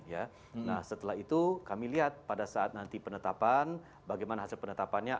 nah setelah itu kami lihat pada saat nanti penetapan bagaimana hasil penetapannya